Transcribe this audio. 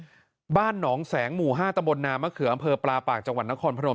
ที่บ้านหนองแสงหมู่๕ตำบลนามะเขืออำเภอปลาปากจังหวัดนครพนม